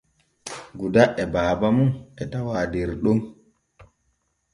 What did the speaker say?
Guda e baaba mum e tawaa der ɗon.